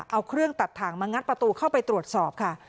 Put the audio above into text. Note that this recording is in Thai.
เอาเครื่องตัดถ่างมางัดประตูเข้าไปตรวจสอบค่ะ